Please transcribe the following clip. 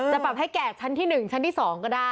แต่ปรับให้แก่ชั้นที่หนึ่งชั้นที่สองก็ได้